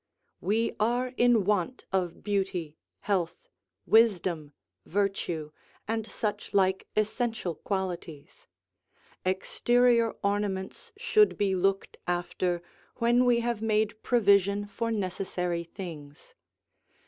We are in want of beauty, health, wisdom, virtue, and such like essential qualities: exterior ornaments should, be looked after when we have made provision for necessary things.